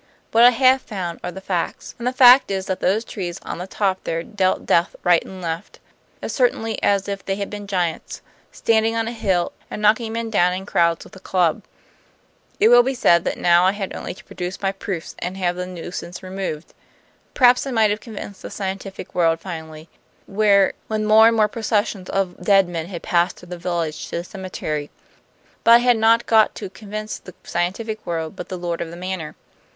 What I have found are the facts. And the fact is that those trees on the top there dealt death right and left, as certainly as if they had been giants, standing on a hill and knocking men down in crowds with a club. It will be said that now I had only to produce my proofs and have the nuisance removed. Perhaps I might have convinced the scientific world finally, when more and more processions of dead men had passed through the village to the cemetery. But I had not got to convince the scientific world, but the Lord of the Manor.